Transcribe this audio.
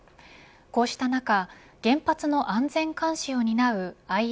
こうした中原発の安全監視を担う